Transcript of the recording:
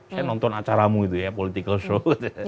saya nonton acaramu itu ya political show